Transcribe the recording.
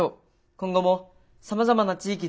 今後もさまざまな地域で。